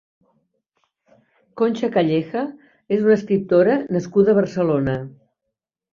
Concha Calleja és una escriptora nascuda a Barcelona.